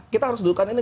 kita harus dudukkan ini